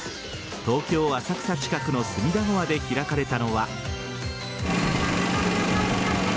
東京・浅草近くの隅田川で開かれたのは。